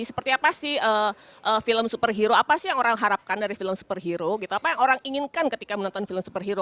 seperti apa sih film superhero apa sih yang orang harapkan dari film superhero gitu apa yang orang inginkan ketika menonton film superhero